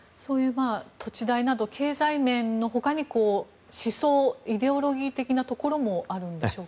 土地代など経済面の他に思想、イデオロギー的なところもあるんでしょうか？